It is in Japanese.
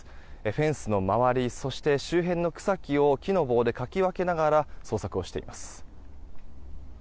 フェンスの周りそして周辺の草木を木の棒でかき分けながら捜索をしています。